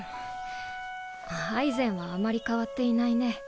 アイゼンはあまり変わっていないね。